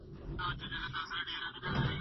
که ته خپله مسوده ونه ګورې نو غلطي به پکې وي.